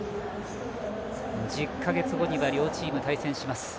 １０か月後には両チーム試合がある。